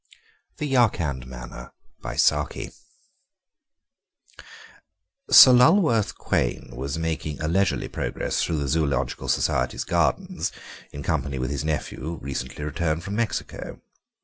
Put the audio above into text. THE YARKAND MANNER Sir Lulworth Quayne was making a leisurely progress through the Zoological Society's Gardens in company with his nephew, recently returned from Mexico.